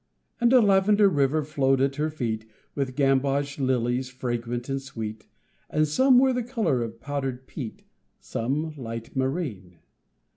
And a lavender river flowed at her feet With gamboge lilies fragrant and sweet, But some were the color of powdered peat, Some light marine.